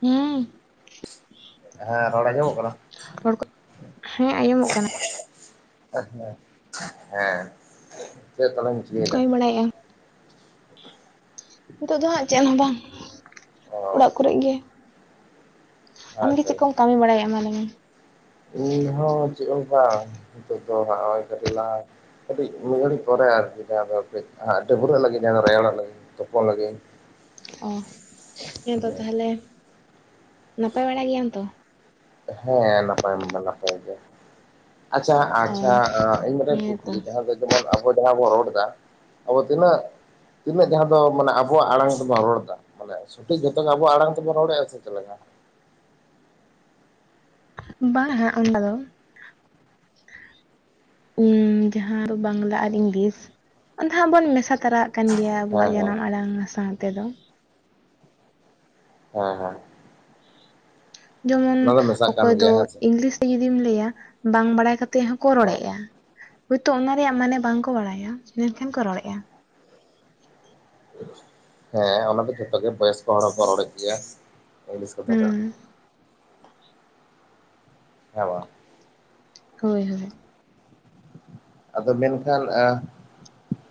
ᱦᱮᱸ᱾ ᱦᱮᱸ ᱨᱚᱲ ᱟᱸᱡᱚᱢᱚᱜ ᱠᱟᱱᱟ? ᱨᱚᱲ ᱠᱚ ᱦᱮᱸ ᱟᱸᱡᱚᱢᱚᱜ ᱠᱟᱱᱟ᱾ ᱦᱮᱸ ᱪᱮᱫ ᱛᱟᱦᱞᱮᱢ ᱠᱚᱭ ᱵᱟᱲᱟᱭ-ᱟ᱾ ᱱᱤᱛᱚᱜ ᱫᱚ ᱦᱟᱸᱜ ᱪᱮᱫ ᱦᱚᱸ ᱵᱟᱝ ᱚ ᱚᱲᱟᱜ ᱠᱚᱨᱮᱜ ᱜᱮ᱾ ᱟᱢᱜᱮ ᱟᱪᱪᱷᱟ ᱪᱮᱫ ᱠᱚᱢ ᱠᱟᱹᱢᱤ ᱵᱟᱲᱟᱭ ᱮᱜ-ᱟ ᱢᱟ ᱞᱟᱹᱭ ᱢᱮ? ᱤᱧ ᱦᱚᱸ ᱪᱮᱫ ᱦᱚ ᱵᱟᱝ ᱱᱤᱛᱚᱜ ᱫᱚ ᱦᱚᱸᱜ-ᱚᱭ ᱠᱟᱴᱤ ᱞᱟᱦᱟ ᱠᱟᱹᱴᱤᱡ ᱢᱤᱫ ᱜᱷᱟᱹᱲᱤᱡ ᱯᱚᱨᱮ ᱟᱨᱠᱤ ᱡᱟᱦᱟ ᱫᱚ ᱠᱟᱹᱡ ᱦᱟᱸᱜ ᱰᱟᱹᱵᱨᱟᱹᱜ ᱞᱟᱹᱜᱤᱫ ᱡᱟᱦᱟ ᱫᱚ ᱨᱮᱭᱟᱲ ᱚᱜ ᱞᱟᱹᱜᱤᱫ ᱛᱚᱯᱚᱜ ᱞᱟᱹᱜᱤᱫ ᱤᱧ᱾ ᱚᱸ ᱦᱮᱛᱚ ᱛᱟᱦᱞᱮ ᱱᱟᱯᱟᱭ ᱵᱟᱲᱟ ᱜᱮᱭᱟᱢ ᱛᱚ? ᱦᱮᱸ ᱱᱟᱯᱟᱭ ᱫᱚ ᱱᱟᱯᱟᱭ ᱜᱮ᱾ ᱟᱪᱷᱟ ᱚ ᱟᱪᱪᱷᱟ ᱤᱧ ᱢᱤᱫᱴᱮᱱ ᱦᱮᱸ ᱛᱚ ᱠᱩᱠᱞᱤ ᱡᱟᱦᱟ ᱫᱚ ᱡᱮᱢᱚᱱ ᱟᱵᱚ ᱡᱟᱦᱟ ᱵᱚᱱ ᱨᱚᱲ ᱫᱟ ᱟᱵᱚ ᱛᱤᱱᱟᱹᱜ ᱛᱤᱱᱟᱹᱜ ᱡᱟᱦᱟ ᱫᱚ ᱢᱟᱱᱮ ᱟᱵᱚᱣᱟᱜ ᱟᱲᱟᱝ ᱛᱮ ᱵᱚᱱ ᱨᱚᱲ ᱫᱟ? ᱢᱟᱱᱮ ᱥᱚᱴᱷᱤᱠ ᱡᱷᱚᱛᱚ ᱜᱮ ᱟᱵᱚᱣᱟᱜ ᱟᱲᱟᱝ ᱛᱮᱵᱚᱱ ᱨᱚᱲᱮᱜ-ᱟ ᱥᱮ ᱪᱮᱫ ᱞᱮᱠᱟ? ᱵᱟᱝ ᱦᱟᱜ ᱚᱱᱟ ᱫᱚ᱾ ᱡᱟᱦᱟ ᱵᱟᱝᱞᱟ ᱟᱨ ᱤᱝᱞᱤᱥ ᱟᱫᱚ ᱦᱟᱸᱜ ᱵᱚᱱ ᱢᱮᱥᱟ ᱛᱚᱨᱟᱜ ᱠᱟᱱ ᱜᱮᱭᱟ ᱦᱮᱸ ᱟᱵᱚᱣᱟᱜ ᱦᱮᱸ ᱡᱟᱱᱟᱢ ᱟᱲᱟᱝ ᱥᱟᱶ ᱛᱮᱫᱚ᱾ ᱦᱮᱸ, ᱦᱮᱸ᱾ ᱡᱮᱢᱚᱱ ᱚᱱᱟ ᱫᱚ ᱢᱮᱥᱟᱜ ᱠᱟᱱ ᱚᱠᱚᱭ ᱫᱚ ᱜᱮᱭᱟ ᱦᱮᱸ ᱥᱮ ᱤᱝᱞᱤᱥ ᱛᱮ ᱡᱩᱫᱤᱢ ᱞᱟᱹᱭ-ᱟ ᱵᱟᱝ ᱵᱟᱲᱟᱭ ᱠᱟᱛᱮᱫ ᱦᱚᱸ ᱠᱚ ᱦᱮᱸ ᱨᱚᱲᱮᱜ-ᱟ᱾ ᱦᱳᱭ ᱛᱚ ᱚᱱᱟ ᱨᱮᱭᱟᱜ ᱢᱟᱱᱮ ᱵᱟᱝ ᱠᱚ ᱵᱟᱲᱟᱭ-ᱟ ᱢᱮᱱᱠᱷᱟᱱ ᱠᱚ ᱨᱚᱲᱮᱜ-ᱟ᱾ ᱦᱮᱸ ᱚᱱᱟ ᱫᱚ ᱡᱷᱚᱛᱚ ᱜᱮ ᱵᱚᱭᱚᱥᱠᱚ ᱦᱚᱲ ᱦᱚᱸᱠᱚ ᱨᱚᱲ ᱮᱫ ᱜᱮᱭᱟ ᱤᱝᱞᱤᱥ ᱠᱟᱛᱷᱟ ᱦᱩᱸ ᱴᱟᱜ᱾ ᱦᱮᱸ ᱵᱟᱝ᱾ ᱦᱳᱭ, ᱦᱳᱭ᱾ ᱟᱫᱚ ᱢᱮᱱᱠᱷᱟᱱ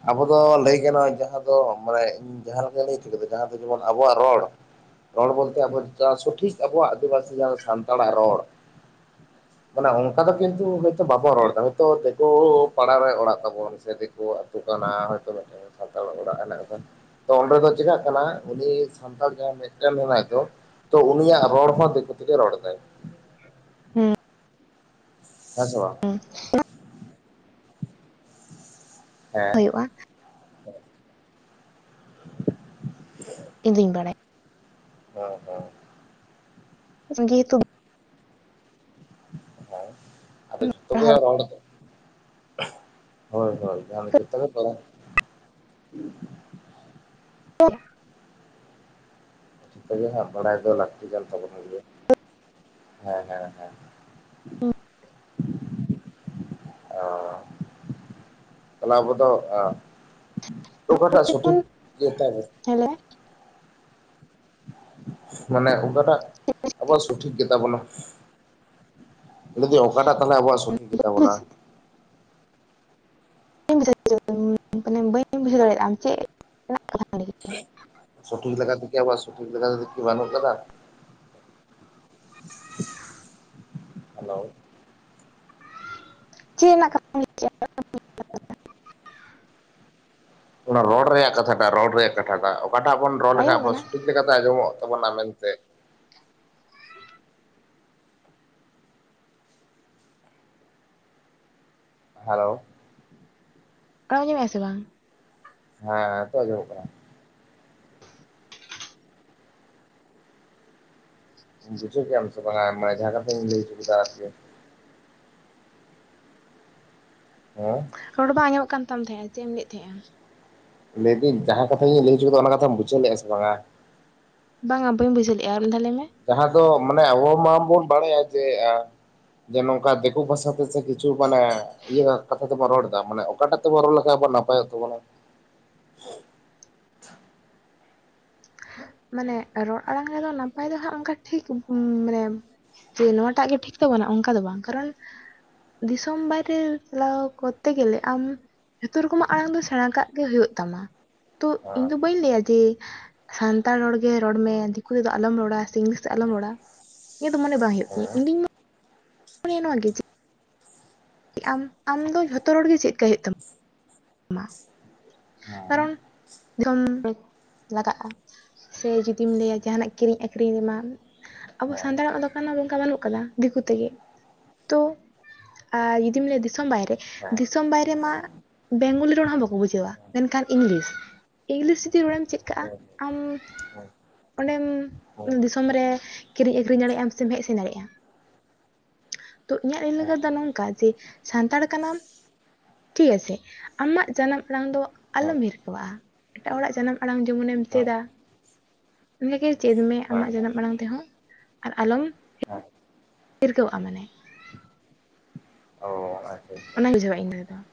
ᱟᱵᱚ ᱫᱚ ᱞᱟᱹᱭ ᱜᱟᱱᱚᱜ-ᱟ ᱡᱟᱦᱟ ᱫᱚ ᱢᱟᱱᱮ᱾ ᱤᱧ ᱡᱟᱦᱟ ᱞᱮᱠᱟᱹᱧ ᱞᱟᱹᱭ ᱦᱚᱪᱚ ᱠᱮᱫᱟ ᱡᱟᱦᱟ ᱫᱚ ᱡᱮᱢᱚᱱ ᱟᱵᱚᱣᱟᱜ ᱨᱚᱲ ᱨᱚᱲ ᱵᱚᱞ ᱛᱮ ᱟᱵᱚ ᱥᱚᱴᱷᱤᱠ ᱟᱵᱚᱣᱟᱜ ᱟᱹᱫᱤ ᱵᱟᱹᱥᱤ ᱡᱟᱦᱟ ᱥᱟᱱᱛᱟᱲᱟᱜ ᱨᱚᱲ ᱢᱟᱱᱮ ᱚᱱᱠᱟ ᱫᱚ ᱠᱤᱱᱛᱩ ᱦᱚᱭ ᱛᱚ ᱵᱟᱵᱚᱱ ᱨᱚᱲ ᱫᱟ ᱦᱚᱭ ᱛᱚ ᱫᱮᱠᱳ ᱯᱟᱲᱟ ᱨᱮ ᱚᱲᱟᱜ ᱛᱟᱵᱚᱱ ᱥᱮ ᱫᱤᱠᱩ ᱟᱹᱛᱩ ᱠᱟᱱᱟ ᱦᱚᱭᱛᱳ ᱢᱤᱫᱴᱮᱱ ᱥᱟᱱᱛᱟᱲᱜ ᱚᱲᱟᱜ ᱦᱮᱱᱟᱜ ᱟᱠᱟᱫᱟ ᱾ ᱛᱚ ᱚᱸᱰᱮ ᱫᱚ ᱪᱮᱟᱜ ᱠᱟᱱᱟ ᱩᱱᱤ ᱥᱟᱱᱛᱟᱲ ᱡᱟᱦᱟᱸᱭ ᱢᱮᱫᱴᱮᱱ ᱦᱮᱱᱟᱭ ᱫᱚ ᱛᱚ ᱩᱱᱤᱭᱟᱜ ᱨᱚᱲ ᱦᱚᱸ ᱫᱤᱠᱩ ᱛᱮᱜᱮ ᱨᱚᱲ ᱫᱟᱭ ᱾ [inaudible] ᱦᱮᱸ ᱥᱮ ᱵᱟᱝ? [unintelligible] ᱦᱮᱸ ᱦᱳᱭᱳᱜᱼᱟ᱾ ᱤᱧᱫᱩᱧ ᱵᱟᱲᱟᱭ [unintelligible] ᱡᱮ ᱡᱮᱦᱮᱛᱩ ᱦᱮᱸ ᱟᱫᱚ ᱵᱟᱢ ᱡᱚᱛᱚ ᱜᱮ ᱯᱟᱲᱦᱟᱣ ᱨᱚᱲ ᱫᱚ ᱦᱳᱭ ᱦᱳᱭ ᱡᱚᱛᱚ [unintelligible] [unintelligible] ᱡᱚᱛᱚ ᱜᱮ ᱦᱟᱸᱜ ᱵᱟᱲᱟᱭ ᱫᱚ ᱞᱟᱹᱠᱛᱤ ᱠᱟᱱ ᱛᱟᱵᱚᱱ ᱜᱮᱭᱟ᱾ ᱦᱮᱸ ᱦᱮᱸ ᱦᱮᱸ [unintelligible] ᱚᱸ ᱛᱟᱦᱚᱞᱮ ᱟᱵᱚ ᱫᱚ ᱮᱸ ᱳᱠᱟᱴᱟᱜ ᱡᱮᱢᱚᱱ ᱥᱚᱴᱷᱤᱠ ᱜᱮᱛᱟᱵ᱾ [unintelligible] ᱢᱟᱱᱮ ᱚᱠᱟᱴᱟᱜ ᱟᱵᱚᱣᱟᱜ ᱥᱚᱴᱷᱤᱠ ᱜᱮᱛᱟ ᱵᱚᱱᱟ ᱾ ᱞᱟᱹᱭ ᱫᱤᱧ ᱚᱠᱟᱴᱟᱜ ᱛᱟᱦᱚᱞᱮ ᱟᱵᱚᱣᱟᱜ ᱥᱚᱴᱷᱤᱠ ᱜᱮᱛᱟ ᱵᱚᱱᱟ? ᱵᱟᱹᱧ ᱵᱟᱹᱧ ᱢᱟᱱᱮ ᱵᱟᱹᱧ ᱵᱩᱡᱷᱟᱹᱣ ᱫᱟᱲᱮᱭᱟᱜ-ᱟ ᱟᱢ ᱪᱮᱫ ᱨᱮᱱᱟᱜ ᱠᱟᱛᱷᱟᱢ ᱞᱟᱹᱭ ᱠᱮᱫᱟ ᱥᱚᱴᱷᱤᱠ ᱞᱮᱠᱟ ᱛᱮᱠᱤ ᱟᱵᱚᱣᱟᱜ ᱥᱚᱴᱷᱤᱠ ᱛᱮᱫᱚ ᱵᱟᱱᱩᱜ ᱠᱟᱫᱟ᱾ ᱦᱮᱞᱳ ᱪᱮᱫ ᱨᱮᱱᱟᱜ ᱠᱟᱛᱷᱟᱢ ᱞᱟᱹᱭ [unintelligible] ᱚᱱᱟ ᱨᱚᱲ ᱨᱮᱭᱟᱜ ᱠᱟᱛᱷᱟᱴᱟᱜ ᱨᱚᱲ ᱨᱮᱭᱟᱜ ᱠᱟᱛᱷᱟᱴᱟᱜ ᱚᱠᱟᱴᱟᱜ ᱵᱚᱱ ᱨᱚᱲ ᱞᱮᱠᱷᱟᱡ ᱟᱸᱡᱚᱢᱚᱜ ᱟᱵᱚ ᱠᱟᱱᱟ ᱴᱤᱠ ᱞᱮᱠᱟᱛᱮ ᱟᱸᱡᱚᱢᱚᱜ ᱛᱟᱵᱚᱱᱟ ᱢᱮᱱᱛᱮ ᱾ ᱦᱮᱞᱳ ᱾ ᱟᱢ ᱟᱧᱚᱢᱮᱫᱼᱟ ᱥᱮ ᱵᱟᱝ? ᱦᱮᱸ ᱱᱤᱛᱚᱜ ᱟᱸᱡᱚᱢᱚᱜ ᱠᱟᱱᱟ‌᱾ ᱵᱩᱡᱷᱟᱹᱣ ᱠᱮᱜ ᱟᱢ ᱥᱮ ᱵᱟᱝ ᱡᱟᱦᱟ ᱠᱟᱛᱷᱟᱧ ᱞᱟᱹᱭ ᱦᱚᱪᱚ ᱠᱮᱫᱟ? [inaudible] ᱨᱚᱲ ᱵᱟᱝ ᱟᱡᱚᱢᱚᱜ ᱠᱟᱱ ᱛᱟᱦᱮᱸᱜ ᱛᱟᱢᱟ ᱪᱮᱫ ᱮᱢ ᱞᱟᱹᱭᱮᱫ ᱛᱟᱦᱮᱸᱜ-ᱟ ᱾ ᱞᱟᱹᱭᱫᱟᱹᱧ ᱡᱟᱦᱟᱸ ᱠᱟᱛᱷᱟᱧ ᱞᱟᱹᱭ ᱦᱚᱪᱚ ᱠᱮᱫᱟ ᱚᱱᱟ ᱠᱟᱛᱷᱟᱢ ᱵᱩᱡᱷᱟᱹᱣ ᱞᱮᱫᱟ ᱥᱮ ᱵᱟᱝᱟ? ᱵᱟᱝᱟ ᱵᱟᱹᱧ ᱵᱩᱡᱷᱟᱹᱣ ᱞᱮᱜ-ᱟ ᱟᱨ ᱢᱤᱫᱫᱷᱟᱣ ᱞᱟᱹᱭ ᱢᱮ ᱾ ᱡᱟᱦᱟᱸ ᱫᱚ ᱢᱟᱱᱮ ᱟᱵᱚ ᱢᱟᱵᱚᱱ ᱵᱟᱲᱟᱭᱟ ᱡᱮ ᱟᱸ ᱡᱮ ᱱᱚᱝᱠᱟ ᱫᱤᱠᱩ ᱯᱟᱥᱟᱯᱟᱥᱤ ᱠᱤᱪᱷᱩ ᱢᱟᱱᱮ ᱤᱭᱟᱹ ᱠᱟᱛᱷᱟ ᱛᱮᱵᱚᱱ ᱨᱚᱲ ᱮᱫᱟ ᱢᱟᱱᱮ ᱚᱠᱟᱴᱟᱜ ᱛᱮᱵᱚᱱ ᱨᱚᱲ ᱞᱮᱠᱷᱟᱱ ᱟᱵᱚ ᱱᱟᱯᱟᱭᱚᱜ ᱛᱟᱵᱚᱱᱟ᱾ ᱢᱟᱱᱮ ᱨᱚᱲ ᱟᱲᱟᱝ ᱨᱮᱫᱚ ᱱᱟᱯᱟᱭ ᱫᱚ ᱦᱟᱸᱜ ᱚᱱᱠᱟ ᱴᱷᱤᱠ ᱢᱟᱱᱮ ᱡᱮ ᱱᱚᱣᱟᱴᱟᱜ ᱜᱮ ᱴᱷᱤᱠ ᱛᱟᱵᱚᱱᱟ ᱚᱱᱠᱟ ᱫᱚ ᱵᱟᱝ, ᱠᱟᱨᱚᱱ ᱫᱤᱥᱚᱢ ᱵᱟᱭᱨᱮ ᱪᱟᱞᱟᱣ ᱠᱚᱨᱛᱮ ᱜᱮᱞᱮ ᱟᱢ ᱡᱷᱚᱛᱚ ᱨᱚᱠᱚᱢᱟᱜ ᱟᱲᱟᱝ ᱫᱚ ᱥᱮᱬᱟ ᱠᱟᱜ ᱜᱮ ᱦᱩᱭᱩᱜ ᱛᱟᱢᱟ ᱛᱚ ᱤᱧ ᱦᱮᱸ ᱫᱚ ᱵᱟᱹᱧ ᱞᱟᱹᱭᱟ ᱡᱮ ᱥᱟᱱᱛᱟᱲ ᱨᱚᱲ ᱜᱮ ᱨᱚᱲ ᱢᱮ ᱫᱤᱠᱩ ᱛᱮᱫᱚ ᱟᱞᱚᱢ ᱨᱚᱲᱟ ᱥᱮ ᱤᱝᱞᱤᱥ ᱛᱮ ᱟᱞᱚᱢ ᱨᱚᱲ ᱤᱧᱟᱹᱜ ᱫᱚ ᱢᱚᱱᱮ ᱵᱟᱝ ᱦᱩᱭᱩᱜ ᱛᱤᱧᱟᱹ ᱦᱮᱸ ᱤᱧ ᱫᱚᱧ ᱢᱚᱱᱮᱭᱟ ᱱᱚᱣᱟ ᱜᱮ ᱪᱮᱫ ᱟᱢ ᱟᱢ ᱫᱚ ᱡᱷᱚᱛᱚ ᱨᱚᱲ ᱜᱮ ᱪᱮᱫ ᱠᱟᱜ ᱦᱩᱭᱩᱜ ᱛᱟᱢᱟ᱾ ᱦᱮᱸ ᱦᱮᱸ ᱦᱮᱸ ᱦᱮᱸ ᱦᱮᱸ ᱦᱮᱸ ᱠᱟᱨᱚᱱ ᱦᱮᱸ ᱡᱚᱢ ᱞᱟᱜᱟᱜ-ᱟ ᱾ ᱥᱮ ᱡᱩᱫᱤᱢ ᱞᱟᱹᱭᱟ ᱡᱟᱦᱟᱱᱟᱜ ᱠᱤᱨᱤᱧ ᱟᱹᱠᱷᱨᱤᱧ ᱨᱮᱢᱟ ᱟᱵᱚ ᱥᱟᱱᱛᱟᱲᱟᱜ ᱫᱚ [unintelligible] ᱵᱟᱹᱱᱩᱜ ᱠᱟᱫᱟ ᱫᱤᱠᱩ ᱛᱮᱜᱮ ᱛᱚ ᱟᱨ ᱡᱩᱫᱤᱢ ᱞᱟᱹᱭᱟ ᱫᱤᱥᱚᱢ ᱵᱟᱭᱨᱮ ᱫᱤᱥᱚᱢ ᱵᱟᱭᱨᱮ ᱢᱟ ᱵᱮᱝᱜᱚᱞᱤ ᱨᱚᱲ ᱦᱚᱸ ᱵᱟᱠᱚ ᱵᱩᱡᱷᱟᱹᱣᱟ, ᱢᱮᱱᱠᱷᱟᱱ ᱤᱝᱞᱤᱥ ᱤᱝᱞᱤᱥ ᱡᱩᱫᱤ ᱨᱚᱲᱮᱢ ᱪᱮᱫ ᱠᱟᱜᱟ ᱟᱢ ᱚᱸᱰᱮᱢ ᱫᱤᱥᱚᱢ ᱨᱮ ᱠᱤᱨᱤᱧ ᱟᱠᱷᱨᱤᱧ ᱫᱟᱲᱮᱜᱟᱢ ᱥᱮᱢ ᱦᱮᱡ ᱥᱮᱱ ᱫᱟᱲᱮᱜ-ᱟ᱾ [inaudible] ᱛᱚ ᱤᱧᱟᱹᱜ ᱞᱟᱹᱭ ᱞᱮᱠᱟ ᱛᱮ ᱫᱚ ᱱᱚᱝᱠᱟ ᱡᱮ ᱥᱟᱱᱛᱟᱲ ᱠᱟᱱᱟᱢ ᱴᱷᱤᱠ ᱜᱟᱪᱷᱮ ᱟᱢᱟᱜ ᱡᱟᱱᱟᱢ ᱟᱲᱟᱝ ᱫᱚ ᱟᱞᱚᱢ ᱦᱤᱨᱠᱟᱹᱣᱟᱜ-ᱟ, ᱮᱴᱟᱜ ᱦᱚᱲᱟᱜ ᱡᱟᱱᱟᱢ ᱟᱲᱟᱝ ᱡᱮᱢᱚᱱᱮᱢ ᱪᱮᱫᱟ [unintelligible] ᱪᱮᱫ ᱢᱮ ᱦᱮᱸ ᱦᱮᱸ ᱟᱢᱟᱜ ᱦᱮᱸ ᱦᱮᱸ ᱡᱟᱱᱟᱢ ᱟᱲᱟᱝ ᱛᱮᱦᱚᱸ, ᱟᱨ ᱟᱞᱚᱢ [inaudible] ᱦᱤᱨᱠᱟᱹᱣᱟᱜ-ᱟ ᱢᱟᱱᱮ᱾ ᱚ ᱟᱪᱪᱷᱟ [unintelligible] ᱟᱪᱪᱷᱟ ᱵᱩᱡᱷᱟᱹᱣᱟ ᱤᱧ [unintelligible]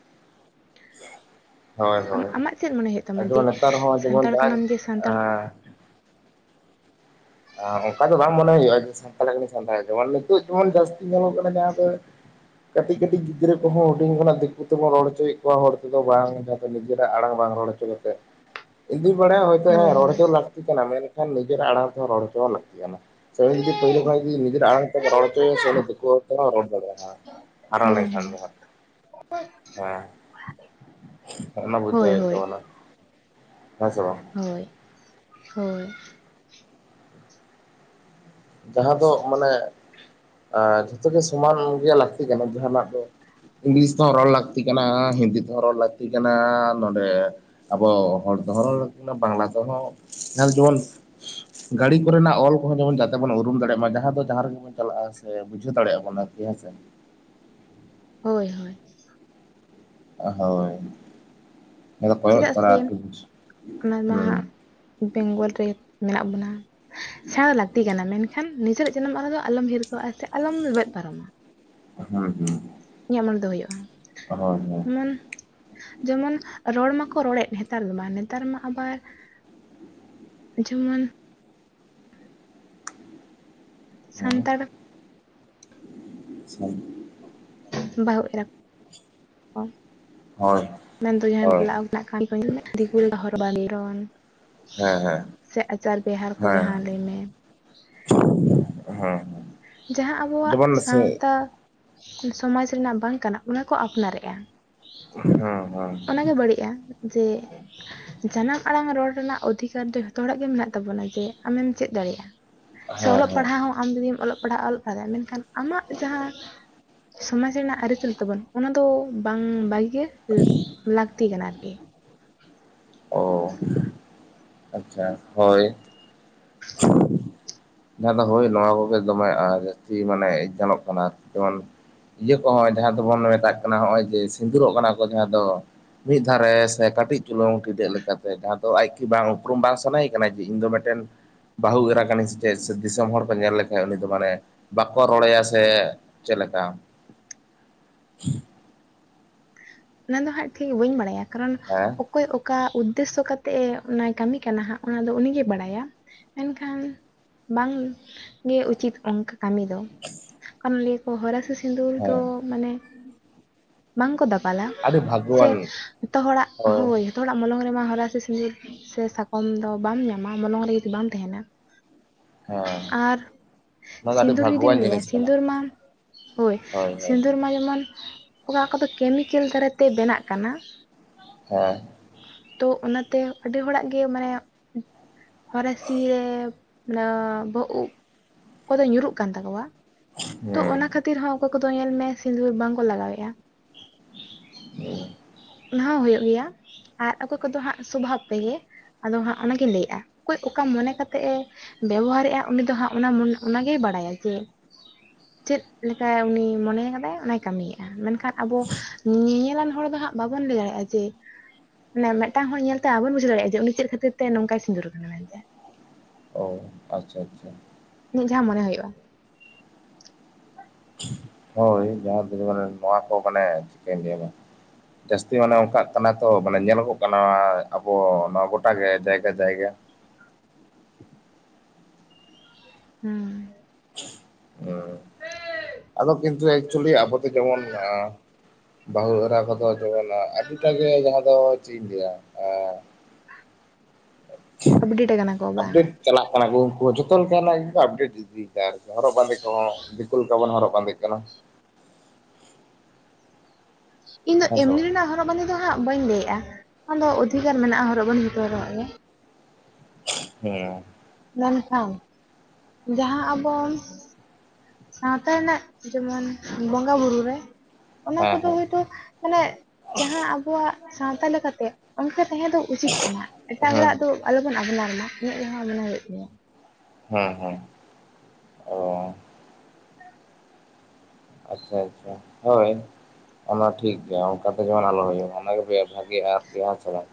ᱦᱳᱭ ᱟᱢᱟᱜ ᱦᱳᱭ ᱟᱢᱟᱜ ᱪᱮᱫ ᱢᱚᱱᱮ ᱦᱳᱭᱳᱜ ᱛᱟᱢᱟ ᱡᱮ ᱡᱮᱢᱚᱱ ᱱᱮᱛᱟᱨ ᱦᱚᱸ ᱡᱮᱢᱚᱱ ᱥᱟᱱᱛᱟᱲ ᱡᱟᱦᱟᱸ ᱠᱟᱱᱟᱢ ᱡᱮ ᱥᱟᱱᱛᱟᱲ ᱚᱝᱠᱟ ᱫᱚ ᱵᱟᱝ ᱢᱚᱱᱮ ᱦᱳᱭᱳᱜ-ᱟ ᱡᱮ ᱥᱟᱱᱛᱟᱲ ᱠᱟᱱᱤᱧ ᱥᱟᱱᱛᱟᱲ ᱜᱮ ᱢᱟᱱᱮ ᱱᱤᱛᱳᱜ ᱡᱮᱢᱚᱱ ᱡᱟᱹᱥᱛᱤ ᱧᱮᱞᱚᱜ ᱠᱟᱱᱟ ᱡᱟᱦᱟᱸ ᱫᱚ ᱠᱟᱹᱴᱤᱡ ᱠᱟᱹᱴᱤᱡ ᱜᱤᱫᱽᱨᱟᱹ ᱠᱚᱦᱚᱸ ᱦᱩᱰᱤᱧ ᱠᱷᱚᱱᱟᱜ ᱫᱤᱠᱩ ᱛᱮᱵᱚᱱ ᱨᱚᱲ ᱦᱚᱪᱚᱭᱮᱫ ᱠᱚᱣᱟ, ᱦᱚᱲ ᱛᱮᱫᱚ ᱵᱟᱝ ᱡᱟᱦᱟᱸ ᱫᱚ ᱱᱤᱡᱮᱨᱟᱜ ᱟᱲᱟᱝ ᱵᱟᱝ ᱨᱚᱲ ᱦᱚᱪᱚ [unintelligible] ᱤᱫᱩᱧ ᱵᱟᱲᱟᱭᱟ ᱦᱳᱭᱛᱚ ᱦᱳᱭ ᱨᱚᱲ ᱦᱳᱭ ᱦᱚᱪᱚ ᱞᱟᱹᱠᱛᱤ ᱠᱟᱱᱟ, ᱢᱮᱱᱠᱷᱟᱱ ᱱᱤᱡᱮᱨᱟᱜ ᱟᱲᱟᱝ ᱛᱮᱦᱚᱸ ᱨᱚᱲ ᱦᱚᱪᱚ ᱞᱟᱹᱠᱛᱤ ᱠᱟᱱᱟ᱾ ᱥᱮ ᱩᱱᱤ ᱡᱩᱫᱤ ᱯᱟᱹᱭᱞᱟᱹ ᱠᱷᱚᱱᱟᱜ ᱡᱩᱫᱤ ᱱᱤᱡᱮᱨ ᱟᱲᱟᱝ ᱛᱮᱢ ᱨᱚᱲ ᱦᱚᱪᱚᱭ ᱭᱟᱥᱮ ᱩᱱᱤ ᱫᱮᱠᱳ ᱛᱮᱦᱚᱸ ᱨᱚᱲ ᱫᱟᱲᱮᱭᱟᱜᱟᱭ᱾ ᱦᱟᱨᱟ ᱦᱮᱸ ᱞᱮᱱᱠᱷᱟᱱ ᱦᱮᱸ ᱫᱚ ᱦᱟᱸᱜ ᱦᱮᱸ᱾ ᱚᱱᱟ ᱵᱩᱡᱷᱟᱹᱣ ᱦᱳᱭ ᱦᱳᱭᱳᱜ ᱦᱳᱭ ᱛᱟᱵᱚᱱᱟ ᱦᱮᱸᱥᱮ ᱵᱟᱝ? ᱦᱳᱭ ᱦᱳᱭ᱾ ᱡᱟᱦᱟᱸ ᱫᱚ ᱢᱟᱱᱮ ᱮᱸ ᱡᱷᱚᱛᱚ ᱜᱮ ᱥᱚᱢᱟᱱ ᱜᱮ ᱞᱟᱹᱠᱛᱤ ᱠᱟᱱᱟ ᱡᱟᱦᱟᱱᱟᱜ ᱫᱚ ᱤᱝᱞᱤᱥ ᱛᱮᱦᱚᱸ ᱨᱚᱲ ᱞᱟᱹᱠᱛᱤ ᱠᱟᱱᱟ, ᱦᱤᱱᱫᱤ ᱛᱮᱦᱚᱸ ᱨᱚᱲ ᱞᱟᱹᱠᱛᱤ ᱠᱟᱱᱟ ᱱᱚᱸᱰᱮ ᱟᱵᱚ ᱦᱚᱲ ᱛᱮᱦᱚᱸ ᱨᱚᱲ ᱞᱟᱠᱛᱤ ᱠᱟᱱᱟ, ᱵᱟᱝᱞᱟ ᱛᱮᱦᱚᱸ ᱡᱟᱦᱟ ᱫᱚ ᱡᱚᱢᱚᱱ ᱜᱟᱹᱲᱤ ᱠᱚᱨᱮᱱᱟᱜ ᱚᱞ ᱠᱚᱦᱚᱸ ᱡᱮᱢᱚᱱ ᱡᱟ ᱛᱮ ᱵᱚᱱ ᱩᱨᱩᱢ ᱫᱟᱲᱮᱜ ᱢᱟ ᱡᱟᱦᱟᱸ ᱫᱚ ᱡᱟᱦᱟᱸ ᱨᱮᱜᱮᱵᱚᱱ ᱪᱟᱞᱟᱜ-ᱟ ᱥᱮ ᱵᱩᱡᱷᱟᱹᱣ ᱫᱟᱲᱮᱜᱟᱵᱚᱱ ᱟᱨᱠᱤ ᱦᱮᱸᱥᱮ᱾ ᱦᱳᱭ ᱦᱳᱭ᱾ ᱦᱳᱭ ᱪᱮᱫᱟᱜ ᱥᱮ ᱚᱱᱟ [unintelligible] ᱢᱟ ᱦᱩᱸ᱾ ᱵᱮᱝᱜᱚᱞ ᱨᱮ ᱢᱮᱱᱟᱜ ᱵᱚᱱᱟ ᱥᱮᱬᱟ ᱫᱚ ᱞᱟᱹᱠᱛᱤ ᱠᱟᱱᱟ ᱢᱮᱱᱠᱷᱟᱱ ᱱᱤᱡᱮᱨᱟᱜ ᱡᱟᱱᱟᱢ ᱟᱲᱟᱜ ᱫᱚ ᱟᱞᱚᱢ ᱦᱤᱨᱠᱟᱹᱣᱟᱜ-ᱟ, ᱥᱮ ᱟᱞᱚᱢ ᱞᱮᱵᱮᱫ ᱯᱟᱨᱚᱢ-ᱟ᱾ ᱦᱩᱸ ᱦᱩᱸ᱾ ᱤᱧᱟᱜ ᱢᱚᱱᱮ ᱫᱚ ᱦᱳᱭᱳᱜ-ᱟ ᱮᱢᱚᱱ ᱡᱮᱢᱚᱱ ᱨᱚᱲ ᱢᱟᱠᱚ ᱨᱚᱲᱮᱫ ᱦᱮᱛᱟᱨ ᱫᱚ ᱵᱟᱝ ᱱᱮᱛᱟᱨ ᱢᱟ ᱟᱵᱟᱨ ᱡᱮᱢᱚᱱ ᱥᱟᱱᱛᱟᱲ [inaudible] ᱵᱟᱦᱩ ᱮᱨᱟ ᱠᱚ ᱦᱳᱭ ᱢᱮᱱᱫᱚ ᱡᱟᱦᱟᱸᱭ ᱦᱳᱭ ᱵᱟᱯᱞᱟ [unintelligible] ᱫᱤᱠᱩ ᱞᱮᱠᱟ ᱦᱚᱨᱚᱜ ᱵᱟᱸᱫᱮ ᱦᱮᱸ ᱦᱳᱭ ᱦᱳᱭ ᱦᱮᱸ [unintelligible] ᱥᱮ ᱟᱪᱟᱨ ᱵᱮᱦᱟᱨ ᱠᱚ ᱦᱮᱸ ᱡᱟᱦᱟᱸ ᱞᱟᱹᱭ ᱢᱮ [unintelligible] ᱡᱟᱦᱟᱸ ᱟᱵᱚᱣᱟᱜ ᱡᱮᱢᱚᱱ ᱥᱮ ᱥᱟᱶᱛᱟ ᱥᱚᱢᱟᱡᱽ ᱨᱮᱱᱟᱜ ᱵᱟᱝ ᱠᱟᱱᱟ ᱚᱱᱟ ᱠᱚ ᱟᱯᱱᱟᱨᱮᱜ-ᱟ᱾ ᱦᱩᱸ ᱦᱩᱸ᱾ ᱚᱱᱟᱜᱮ ᱵᱟᱹᱲᱤᱡ-ᱟ ᱡᱮ ᱡᱟᱱᱟᱢ ᱟᱲᱟᱝ ᱨᱚᱲ ᱨᱮᱱᱟᱜ ᱚᱫᱷᱤᱠᱟᱨ ᱫᱚ ᱡᱷᱚᱛᱚ ᱦᱚᱲᱟᱜ ᱜᱮ ᱢᱮᱱᱟᱜ ᱛᱟᱵᱚᱱᱟ, ᱡᱮ ᱟᱢᱮᱢ ᱪᱮᱫ ᱫᱟᱲᱮᱭᱟᱜ-ᱟ᱾ ᱥᱮ ᱦᱮᱸ ᱚᱞᱚᱜ ᱦᱮᱸ ᱯᱟᱲᱦᱟᱜ ᱦᱚᱸ ᱟᱢ ᱡᱩᱫᱤᱢ ᱚᱞᱚᱜ ᱯᱟᱲᱦᱟᱜ ᱚᱞᱚᱜ ᱯᱟᱲᱦᱟᱜ ᱟᱢ ᱢᱮᱱᱠᱷᱟᱱ ᱟᱢᱟᱜ ᱡᱟᱦᱟᱸ ᱥᱚᱢᱟᱡᱽ ᱨᱮᱱᱟᱜ ᱟᱹᱨᱤᱪᱟᱹᱞᱤ ᱛᱟᱵᱚᱱ ᱚᱱᱟ ᱫᱚ ᱵᱟᱝ ᱵᱟᱜᱤ ᱜᱮ ᱞᱟᱹᱠᱛᱤ ᱠᱟᱱᱟ ᱟᱨᱠᱤ᱾ ᱚ᱾ ᱟᱪᱪᱷᱟ ᱦᱳᱭ᱾ ᱡᱟᱦᱟᱸ ᱫᱚ ᱦᱳᱭ ᱱᱚᱣᱟ ᱠᱚᱜᱮ ᱫᱚᱢᱮ ᱟ ᱡᱟᱹᱥᱛᱤ ᱢᱟᱱᱮ ᱜᱟᱱᱚᱜ ᱠᱟᱱᱟ ᱟᱨᱠᱤ ᱡᱮᱢᱚᱱ ᱤᱭᱟᱹ ᱠᱚᱦᱚᱸ ᱡᱟᱦᱟᱸ ᱫᱚᱵᱚᱱ ᱢᱮᱛᱟᱜ ᱠᱟᱱᱟ ᱦᱚᱸᱜᱼᱚᱭ ᱡᱮ ᱥᱤᱸᱫᱩᱨᱚᱜ ᱠᱟᱱᱟ ᱠᱚ ᱡᱟᱦᱟᱸ ᱫᱚ ᱢᱤᱫ ᱫᱷᱟᱨᱮ ᱥᱮ ᱠᱟᱹᱴᱤᱡ ᱪᱩᱞᱩᱝ ᱴᱤᱰᱟᱹᱜ ᱞᱮᱠᱟᱛᱮ ᱡᱟᱦᱟᱸ ᱛᱚ ᱟᱡᱠᱤ ᱵᱟᱝ ᱩᱯᱨᱩᱢ ᱵᱟᱝ ᱥᱟᱱᱟᱭᱮ ᱠᱟᱱᱟ ᱡᱮ ᱤᱧ ᱫᱚ ᱢᱤᱫᱴᱮᱱ ᱵᱟᱹᱦᱩ ᱮᱨᱟ ᱠᱟᱹᱱᱟᱹᱧ ᱪᱮᱫ ᱥᱮ ᱫᱤᱥᱚᱢ ᱦᱚᱲ ᱠᱚ ᱧᱮᱞ ᱞᱮᱠᱷᱟᱱᱡ ᱩᱱᱤ ᱫᱚ ᱢᱟᱱᱮ ᱵᱟᱠᱚ ᱨᱚᱲᱟᱭᱟ ᱥᱮ ᱪᱮᱫ ᱞᱮᱠᱟ? [inaudible] ᱚᱱᱟ ᱫᱚ ᱦᱟᱸᱜ ᱴᱷᱤᱠ ᱵᱟᱹᱧ ᱵᱟᱲᱟᱭᱟ ᱠᱟᱨᱚᱱ ᱦᱮᱸ? ᱚᱠᱚᱭ ᱚᱠᱟ ᱩᱫᱽᱫᱮᱥᱥᱚ ᱠᱟᱛᱮᱜ-ᱮ ᱚᱱᱟᱭ ᱠᱟᱹᱢᱤ ᱠᱟᱱᱟ ᱦᱟᱸᱜ ᱚᱱᱟ ᱫᱚ ᱩᱱᱤᱜᱮ ᱵᱟᱲᱟᱭᱟ᱾ ᱢᱮᱱᱠᱷᱟᱱ ᱵᱟᱝ ᱜᱮ ᱩᱪᱤᱛ ᱚᱱᱠᱟ ᱠᱟᱹᱢᱤ ᱫᱚ [inaudible] ᱦᱚᱨᱟᱥᱤ ᱥᱤᱸᱫᱩᱨ ᱫᱚ ᱦᱮᱸ ᱢᱟᱱᱮ ᱵᱟᱝᱠᱚ ᱫᱟ ᱯᱟᱞᱟ ᱟᱹᱰᱤ ᱥᱮ ᱵᱷᱟᱜᱽᱜᱚᱣᱟᱱ ᱡᱷᱚᱛᱚ ᱦᱚᱲᱟᱜ ᱦᱳᱭ᱾ ᱛᱚ ᱦᱚᱲᱟᱜ ᱢᱚᱞᱚᱝ ᱨᱮᱢᱟ ᱦᱚᱨᱟᱥᱤ ᱥᱤᱸᱫᱤᱨ ᱥᱮ ᱥᱟᱠᱚᱢ ᱫᱚ ᱵᱟᱢ ᱧᱟᱢᱟ ᱢᱚᱞᱚᱝ ᱨᱮ ᱡᱩᱫᱤ ᱵᱟᱢ ᱛᱟᱦᱮᱱᱟ᱾ ᱦᱮᱸ ᱟᱨ ᱱᱚᱣᱟ ᱫᱚ ᱟᱹᱰᱤ ᱥᱤᱸᱫᱩᱨ ᱡᱩᱫᱤᱢ ᱵᱷᱟᱜᱽᱜᱚᱣᱟᱱ ᱞᱟᱹᱭᱟ ᱡᱤᱱᱤᱥ ᱠᱟᱱᱟ ᱥᱤᱸᱫᱩᱨ ᱢᱟ ᱦᱳᱭ ᱥᱤᱸᱫᱩᱨ ᱢᱟ ᱡᱮᱢᱚᱱ ᱚᱠᱟ ᱚᱠᱟ ᱫᱚ ᱠᱮᱢᱤᱠᱮᱞ ᱫᱟᱨᱟᱭᱛᱮ ᱵᱮᱱᱟᱜ ᱠᱟᱱᱟ, ᱦᱮᱸ᱾ ᱛᱚ ᱚᱱᱟᱛᱮ ᱟᱹᱰᱤ ᱦᱚᱲᱟᱜ ᱜᱮ ᱢᱟᱱᱮ ᱦᱚᱨᱟᱥᱤ ᱨᱮ ᱢᱟᱱᱮ ᱵᱚᱦᱚᱜ ᱩᱵ ᱚᱠᱚᱭ ᱫᱚ ᱧᱩᱨᱩᱜ ᱠᱟᱱ ᱛᱟᱠᱚᱣᱟ᱾ ᱛᱚ ᱦᱩᱸ ᱚᱱᱟ ᱠᱷᱟᱹᱛᱤᱨ ᱦᱚᱸ ᱚᱠᱚᱭ ᱠᱚᱫᱚ ᱧᱮᱞ ᱢᱮ ᱥᱤᱸᱫᱩᱨ ᱵᱟᱝᱠᱚ ᱞᱟᱜᱟᱣᱮᱜᱼᱟ᱾ ᱦᱩᱸ ᱚᱱᱟ ᱦᱩᱭᱩᱜ ᱜᱮᱭᱟ ᱟᱨ ᱚᱠᱚᱭ ᱠᱚᱫᱚ ᱦᱟᱸᱜ ᱥᱚᱵᱷᱟᱵ ᱛᱮᱜᱮ᱾ ᱟᱫᱚ ᱦᱟᱸᱜ ᱚᱱᱟᱜᱤᱧ ᱞᱟᱹᱭᱮᱜᱼᱟ, ᱚᱠᱚᱭ ᱚᱠᱟ ᱢᱚᱱᱮ ᱠᱟᱛᱮᱜ ᱮ ᱵᱮᱵᱚᱦᱟᱨᱮᱜᱼᱟ ᱩᱱᱤ ᱫᱚ ᱦᱟᱸᱜ ᱚᱱᱟ ᱢᱚᱱ ᱚᱱᱟ ᱜᱮᱭ ᱵᱟᱲᱟᱭᱟ ᱡᱮ ᱪᱮᱫ ᱞᱮᱠᱟᱭ ᱩᱱᱤ ᱢᱚᱱᱮ ᱟᱠᱟᱫᱟᱭ ᱚᱱᱟᱭ ᱠᱟᱹᱢᱤᱭᱮᱜᱼᱟ ᱢᱮᱱᱠᱷᱟᱱ ᱟᱵᱚ ᱧᱮᱧᱮᱞᱟᱱ ᱦᱚᱲ ᱫᱚ ᱦᱟᱸᱜ ᱵᱟᱵᱚᱱ ᱞᱟᱹᱭ ᱫᱟᱲᱮᱭᱟᱜᱼᱟ ᱡᱮ ᱢᱟᱱᱮ ᱢᱤᱫᱴᱟᱝ ᱦᱚᱲ ᱧᱮᱞᱛᱮ ᱟᱵᱚᱱ ᱵᱩᱡᱷᱟᱹᱣ ᱫᱟᱲᱮᱭᱟᱜ-ᱟ ᱡᱮ ᱩᱱᱤ ᱪᱮᱫ ᱠᱷᱟᱹᱛᱤᱨᱛᱮ ᱱᱚᱝᱠᱟᱭ ᱥᱤᱸᱫᱩᱨ ᱠᱟᱱᱟ ᱢᱮᱱᱛᱮ᱾ ᱚ ᱟᱪᱪᱷᱟ ᱟᱪᱪᱷᱟ᱾ ᱤᱧᱟᱹᱜ ᱡᱟᱦᱟᱸ ᱢᱚᱱᱮ ᱦᱩᱭᱩᱜᱼᱟ᱾ ᱦᱳᱭ, ᱡᱟᱦᱟᱸ ᱛᱮᱜᱮ ᱢᱟᱱᱮ ᱱᱚᱣᱟ ᱠᱚ ᱢᱟᱱᱮ ᱪᱮᱫ ᱠᱟᱹᱧ ᱞᱟᱹᱭᱟᱢᱟ? ᱡᱟᱹᱥᱛᱤ ᱢᱟᱱᱮ ᱚᱱᱠᱟᱜ ᱠᱟᱱᱟ ᱛᱚ ᱢᱟᱱᱮ ᱧᱮᱞᱚᱜᱚᱜ ᱠᱟᱱᱟ ᱱᱚᱣᱟ ᱟᱵᱚ ᱱᱚᱣᱟ ᱜᱚᱴᱟᱜᱮ ᱡᱟᱭᱜᱟ ᱡᱟᱭᱜᱟ᱾ ᱦᱩᱸ᱾ ᱦᱩᱸ ᱟᱫᱚ ᱠᱤᱱᱛᱩ ᱮᱠᱪᱩᱭᱮᱞᱤ ᱟᱵᱚ ᱫᱚ ᱡᱮᱢᱚᱱ ᱟ ᱵᱟᱹᱦᱩ ᱮᱨᱟ ᱠᱚᱫᱚ ᱡᱮᱢᱚᱱ ᱟᱹᱰᱤᱴᱟᱜ ᱜᱮ ᱡᱟᱦᱟᱸ ᱫᱚ ᱪᱮᱫ ᱤᱧ ᱞᱟᱹᱭᱟ ᱟᱸ [inaudible] ᱟᱯᱰᱮᱴ ᱠᱟᱱᱟ ᱠᱚ ᱵᱟᱝ? ᱟᱯᱰᱮᱴ ᱪᱟᱞᱟᱜ ᱠᱟᱱᱟ ᱠᱚ ᱩᱱᱠᱩ ᱦᱚᱸ ᱡᱷᱚᱛᱚ ᱞᱮᱠᱟᱱᱟᱜ ᱜᱮᱠᱚ ᱟᱯᱰᱮᱴ ᱤᱫᱤᱭ ᱫᱟ ᱟᱨᱠᱤ ᱦᱚᱨᱚᱜ ᱵᱟᱸᱫᱮ ᱠᱚᱦᱚᱸ ᱫᱤᱠᱩ ᱞᱮᱠᱟ ᱵᱚᱱ ᱦᱚᱨᱚᱜ ᱵᱟᱸᱫᱮ ᱠᱟᱱᱟ᱾ ᱤᱧ ᱫᱚ ᱦᱮᱸ ᱥᱮ ᱮᱢᱱᱤ ᱨᱮᱱᱟᱜ ᱦᱚᱨᱚᱜ ᱵᱟᱸᱫᱮ ᱫᱚ ᱦᱟᱸᱜ ᱵᱟᱹᱧ ᱞᱟᱹᱭᱮᱜᱼᱟ, ᱟᱫᱚ ᱚᱫᱷᱤᱠᱟᱨ ᱢᱮᱱᱟᱜᱼᱟ ᱦᱚᱨᱚᱜ ᱵᱟᱸᱫᱮ ᱡᱷᱚᱛᱚ ᱦᱚᱲᱟᱜ ᱜᱮ᱾ ᱦᱩᱸ᱾ ᱢᱮᱱᱠᱷᱟᱱ, ᱡᱟᱦᱟᱸ ᱟᱵᱚᱱ ᱥᱟᱶᱛᱟ ᱨᱮᱱᱟᱜ ᱡᱮᱢᱚᱱ ᱵᱚᱸᱜᱟ ᱵᱩᱨᱩ ᱨᱮ ᱦᱮᱸ ᱚᱱᱟ ᱦᱮᱸ ᱠᱚᱫᱚ ᱦᱚᱭ ᱛᱚ ᱢᱟᱱᱮ ᱡᱟᱦᱟᱸ ᱟᱵᱚᱣᱟᱜ ᱥᱟᱶᱛᱟ ᱞᱮᱠᱟᱛᱮ ᱚᱱᱠᱟ ᱛᱟᱦᱮᱸ ᱫᱚ ᱩᱪᱤᱛ ᱠᱟᱱᱟ ᱮᱴᱟᱜ ᱦᱮᱸ ᱦᱚᱲᱟᱜ ᱫᱚ ᱟᱞᱚᱵᱚᱱ ᱟᱯᱱᱟᱨ ᱢᱟ ᱤᱧᱟᱹᱜ ᱡᱟᱸᱦᱟ ᱢᱟᱱᱮ ᱦᱩᱭᱩᱜ ᱛᱤᱧᱟᱹ᱾ ᱦᱩᱸ ᱦᱩᱸ᱾ ᱟᱪᱪᱷᱟ ᱟᱪᱪᱷᱟ ᱦᱚᱭ ᱚᱱᱟ ᱴᱷᱤᱠ ᱜᱮᱭᱟ ᱚᱱᱠᱟᱛᱮ ᱡᱮᱢᱚᱱ ᱟᱞᱚ ᱦᱩᱭᱩᱜ ᱢᱟ ᱚᱱᱟ [unintelligible] ᱜᱮ ᱟᱨᱠᱤ ᱦᱮᱸ ᱥᱮ ᱵᱟᱝ?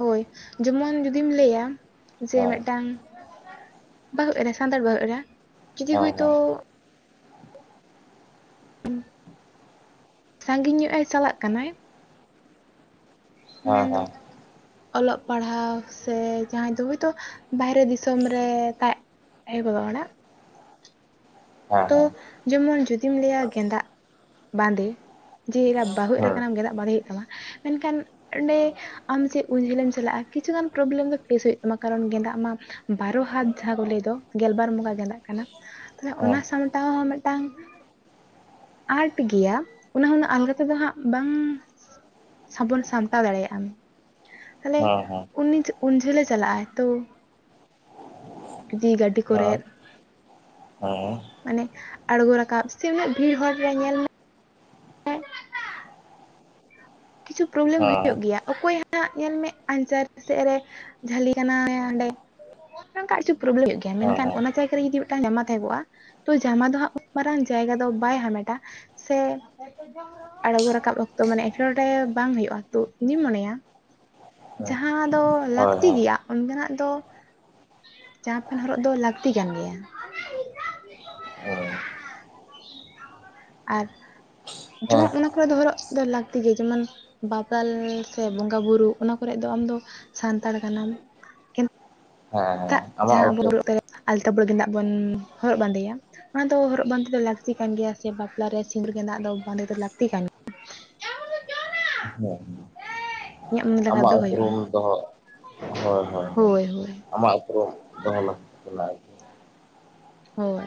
ᱦᱳᱭ ᱡᱮᱢᱚᱱ ᱡᱩᱫᱤᱢ ᱞᱟᱹᱭᱟ ᱡᱮ ᱢᱮᱫᱴᱟᱝ ᱵᱟᱹᱦᱩ ᱮᱨᱟ ᱥᱟᱱᱛᱟᱲ ᱵᱟᱹᱦᱩ ᱮᱨᱟ ᱡᱩᱫᱤ ᱦᱮᱸ ᱦᱳᱭ ᱛᱚ ᱦᱮᱸ ᱥᱟᱺᱜᱤᱧ ᱧᱚᱜ-ᱮ ᱪᱟᱞᱟᱜ ᱠᱟᱱᱟᱭ᱾ ᱦᱮᱸ ᱢᱮᱱᱫᱚ, ᱦᱮᱸ ᱚᱞᱚᱜ ᱯᱟᱲᱦᱟᱣ ᱥᱮ ᱡᱟᱦᱟᱸᱭ ᱫᱚ ᱦᱚᱭᱛᱚ ᱵᱟᱦᱨᱮ ᱫᱤᱥᱚᱢ ᱨᱮ ᱛᱟ ᱟᱭᱳ-ᱵᱟᱵᱟ ᱚᱲᱟᱜ᱾ ᱛᱚ ᱦᱮᱸ ᱡᱮᱢᱚᱱ ᱡᱩᱫᱤᱢ ᱞᱟᱹᱭᱟ ᱜᱮᱸᱫᱟᱜ ᱵᱟᱸᱫᱮ ᱡᱮ ᱮᱨᱟ ᱵᱟᱹᱦᱩ ᱮᱨᱟ ᱦᱮᱸ ᱦᱮᱸ ᱠᱟᱱᱟᱢ ᱜᱮᱸᱫᱟᱜ ᱵᱟᱸᱫᱮ ᱦᱩᱭᱩᱜ ᱛᱟᱢᱟ ᱢᱮᱱᱠᱷᱟᱱ, ᱚᱸᱰᱮ ᱟᱢ ᱪᱮᱫ ᱩᱱ ᱡᱷᱟᱹᱞᱮᱢ ᱪᱟᱞᱟᱜᱼᱟ ᱠᱤᱪᱷᱩᱜᱟᱱ ᱯᱨᱚᱵᱮᱞᱮᱢ ᱫᱚ ᱯᱷᱮᱥ ᱦᱩᱭᱩᱜ ᱛᱟᱢᱟ ᱠᱟᱨᱚᱱ ᱜᱮᱸᱫᱟᱜ ᱢᱟ ᱵᱟᱨᱚ ᱦᱟᱛ ᱡᱟᱦᱟᱸ ᱠᱚ ᱞᱟᱹᱭ ᱫᱚ ᱜᱮᱞᱵᱟᱨ ᱡᱚᱠᱟ ᱜᱮᱸᱫᱟᱜ ᱠᱟᱱᱟ, ᱛᱟᱦᱞᱮ ᱚᱱᱟ ᱦᱮᱸ ᱥᱟᱢᱴᱟᱣ ᱦᱚᱸ ᱢᱤᱫᱴᱟᱝ ᱟᱸᱴ ᱜᱮᱭᱟ ᱚᱱᱟ ᱦᱚᱸ ᱩᱱᱟᱹᱜ ᱟᱞᱜᱟᱛᱮᱫᱚ ᱦᱟᱸᱜ ᱵᱟᱝ ᱥᱟᱵᱚᱱ ᱥᱟᱢᱴᱟᱣ ᱫᱟᱲᱮᱭᱟᱜᱼᱟᱢ ᱛᱟᱦᱞᱮ ᱦᱮᱸ ᱦᱮᱸ ᱦᱮᱸ ᱦᱮᱸ ᱩᱱᱤ ᱩᱱ ᱡᱷᱟᱹᱞᱮ ᱪᱟᱞᱟᱜ ᱟᱭ ᱛᱚ ᱡᱩᱫᱤ ᱜᱟᱹᱰᱤ ᱠᱚᱨᱮᱫ ᱦᱮᱸ ᱢᱟᱱᱮ ᱟᱬᱜᱚ ᱨᱟᱠᱟᱵ ᱥᱮ ᱩᱱᱟᱹᱜ ᱵᱷᱤᱲ ᱦᱚᱲ ᱨᱮ ᱧᱮᱞ ᱢᱮ ᱮᱸ ᱠᱤᱪᱷᱩ ᱯᱨᱚᱵᱽᱞᱮᱢ ᱦᱳᱭᱳᱜ ᱜᱮᱭᱟ᱾ ᱚᱠᱚᱭ ᱦᱟᱸᱜ ᱧᱮᱞ ᱢᱮ ᱟᱧᱪᱟᱨ ᱥᱮᱫ ᱨᱮ ᱡᱷᱟᱹᱞᱤ ᱠᱟᱱᱟᱭ ᱚᱸᱰᱮ ᱱᱚᱝᱠᱟ [unintelligible] ᱯᱨᱚᱵᱽᱞᱮᱢᱮ ᱜᱮᱭᱟ ᱢᱮᱱᱠᱷᱟᱱ ᱦᱮᱸ ᱦᱮᱸ ᱚᱱᱟ ᱡᱟᱭᱜᱟ ᱡᱩᱫᱤ ᱢᱤᱫᱴᱟᱝ ᱡᱟᱢᱟ ᱛᱟᱦᱮᱸᱠᱜᱼᱟ ᱛᱚ ᱡᱟᱢᱟ ᱫᱚ ᱦᱟᱸᱜ ᱠᱷᱩᱵ ᱢᱟᱨᱟᱝ ᱡᱟᱭᱜᱟ ᱫᱚ ᱵᱟᱭ ᱦᱟᱢᱮᱴᱟ ᱥᱮ ᱟᱬᱜᱚ ᱨᱟᱠᱟᱵ ᱚᱠᱛᱚ ᱢᱟᱱᱮ ᱱᱚᱸᱰᱮ ᱵᱟᱝ ᱦᱩᱭᱩᱜᱼᱟ ᱛᱳ ᱤᱧᱤᱧ ᱢᱚᱱᱮᱭᱟ ᱡᱟᱦᱟᱸ ᱫᱚ ᱞᱟᱹᱠᱛᱤ ᱜᱮᱭᱟ ᱚᱱᱠᱟᱱᱟᱜ ᱫᱚ ᱡᱟᱦᱟᱸ ᱯᱷᱮᱱ ᱦᱚᱨᱚᱜ ᱫᱚ ᱞᱟᱹᱠᱛᱤ ᱠᱟᱱ ᱜᱮᱭᱟ᱾ ᱦᱚᱭ᱾ ᱟᱨ ᱡᱮᱢᱚᱱ ᱚᱱᱟ ᱠᱚᱨᱮ ᱫᱚ ᱦᱚᱨᱚᱜ ᱫᱚ ᱞᱟᱹᱠ ᱛᱤ ᱜᱮ ᱡᱮᱢᱚᱱ ᱵᱟᱯᱞᱟᱞ ᱥᱮ ᱵᱚᱸᱜᱟ ᱵᱩᱨᱩ ᱚᱱᱟ ᱠᱚᱨᱮᱜ ᱫᱚ ᱟᱢᱫᱚ ᱥᱟᱱᱛᱟᱲ ᱠᱟᱱᱟᱢ ᱛᱟᱜ ᱡᱟᱦᱟᱸ ᱟᱵᱚᱱ ᱦᱮᱸ ᱦᱮᱸ [unintelligible] ᱟᱞᱛᱟ [unintelligible] ᱜᱮᱸᱫᱟᱜ ᱵᱚᱱ ᱦᱚᱨᱚᱜ ᱵᱟᱸᱫᱮᱭᱟ ᱚᱱᱟ ᱫᱚ ᱦᱚᱨᱚᱜ ᱵᱟᱸᱫᱮ ᱫᱚ ᱞᱟᱹᱠᱛᱤ ᱠᱟᱱ ᱜᱮᱭᱟ ᱥᱮ ᱵᱟᱯᱞᱟ ᱨᱮ ᱥᱤᱸᱫᱩᱨ ᱜᱮᱸᱫᱟᱜ ᱫᱚ ᱵᱟᱸᱫᱮ ᱫᱚ ᱞᱟᱠᱛᱤ ᱠᱟᱱ ᱦᱚᱸ᱾ ᱤᱧᱟᱹᱜ ᱢᱚᱱᱮ ᱞᱮᱠᱟ ᱟᱢᱟᱜ ᱫᱚ ᱦᱩᱭᱩᱜᱼᱟ ᱩᱯᱨᱩᱢ ᱫᱚ ᱦᱚᱭ ᱦᱚᱭ ᱦᱚᱭ ᱦᱳᱭ ᱦᱳᱭ ᱟᱢᱟᱜ ᱩᱯᱨᱩᱢ᱾ ᱫᱚᱦᱚ ᱞᱟᱹᱠᱛᱤ‌ ᱠᱟᱱᱟ᱾ ᱦᱚᱭ᱾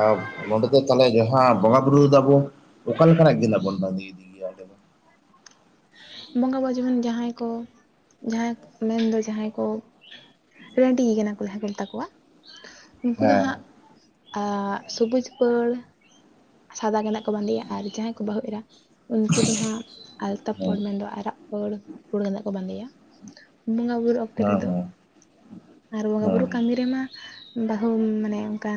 ᱟᱨ ᱱᱚᱸᱰᱮ ᱫᱚ ᱛᱟᱦᱚᱞᱮ ᱡᱟᱦᱟᱸ ᱵᱚᱸᱜᱟ ᱵᱩᱨᱩ ᱫᱟᱵᱚ ᱚᱠᱟ ᱞᱮᱠᱟ ᱱᱟᱜ ᱜᱮᱸᱫᱟ ᱵᱚᱱ ᱵᱟᱸᱫᱮ ᱤᱫᱤ ᱭᱟ ᱚᱸᱰᱮ ᱫᱚ? ᱵᱚᱸᱜᱟ ᱵᱚ ᱡᱮᱢᱚᱱ ᱡᱟᱦᱟᱸᱭ ᱠᱚ ᱡᱟᱦᱟᱸᱭ ᱢᱮᱱ ᱫᱚ ᱡᱟᱦᱟᱸᱭ ᱠᱚ, ᱨᱟᱺᱰᱤᱭ ᱠᱟᱱᱟ ᱠᱩ‌ ᱡᱟᱦᱟᱸᱭ ᱠᱚ ᱢᱮᱛᱟ ᱠᱚᱣᱟ ᱩᱱᱠᱩ ᱫᱚ ᱦᱮᱸ ᱦᱟᱸᱜ ᱟᱻ ᱥᱚᱵᱩᱡ ᱯᱟᱹᱲ ᱥᱟᱫᱟ ᱜᱮᱸᱫᱟᱜ ᱠᱚ ᱵᱟᱸᱫᱮᱭᱟ ᱟᱨ ᱡᱟᱦᱟᱸᱭ ᱠᱚ ᱵᱟᱹᱦᱩ ᱮᱨᱟ ᱩᱱᱠᱩ ᱫᱚ ᱦᱟᱸᱜ ᱟᱞᱛᱟ ᱦᱮᱸ ᱯᱟᱹᱬ ᱢᱮᱱ ᱫᱚ ᱟᱨᱟᱜ ᱯᱟᱹᱬ ᱯᱟᱹᱬ ᱜᱮᱸᱫᱟᱜ ᱠᱚ ᱵᱟᱸᱫᱮᱭᱟ ᱵᱚᱸᱜᱟ ᱵᱩᱨᱩ ᱚᱠᱼᱼ ᱛᱮ ᱦᱮᱸ ᱨᱮᱫᱚ ᱦᱮᱸ ᱟᱨ ᱵᱚᱸᱜᱟ ᱦᱮᱸ ᱵᱩᱨᱩ ᱠᱟᱢᱤ ᱨᱮᱢᱟ ᱵᱟᱹᱦᱩ ᱢᱟᱱᱮ ᱚᱱᱠᱟᱱ